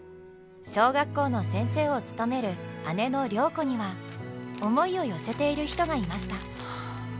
小学校の先生を務める姉の良子には思いを寄せている人がいました。